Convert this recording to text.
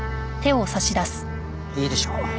いいでしょう。